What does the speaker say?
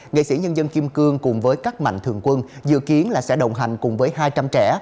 nghệ sĩ nhân dân kim cương cùng với các mạnh thường quân dự kiến là sẽ đồng hành cùng với hai trăm linh trẻ